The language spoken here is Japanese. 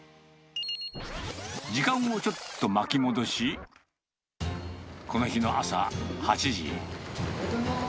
時間をちょっと巻き戻し、この日の朝８時。